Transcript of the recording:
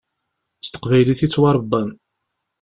S teqbaylit i ttwaṛebban.